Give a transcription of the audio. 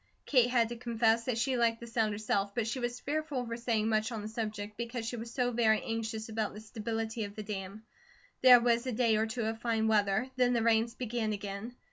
Kate had to confess that she like the sound herself, but she was fearful over saying much on the subject because she was so very anxious about the stability of the dam. There was a day or two of fine weather; then the rains began again.